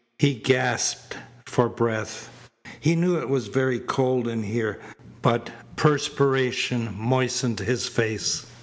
He gasped for breath. He knew it was very cold in here, but perspiration moistened his face.